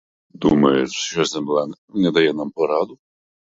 Думаєш, що земля не дає нам пораду?